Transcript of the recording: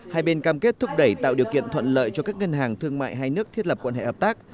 hai bên cam kết thúc đẩy tạo điều kiện thuận lợi cho các ngân hàng thương mại hai nước thiết lập quan hệ hợp tác